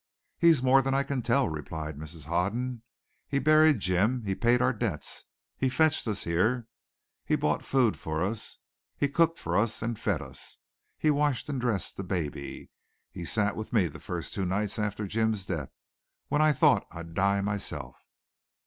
"He's more than I can tell," replied Mrs. Hoden. "He buried Jim. He paid our debts. He fetched us here. He bought food for us. He cooked for us and fed us. He washed and dressed the baby. He sat with me the first two nights after Jim's death, when I thought I'd die myself.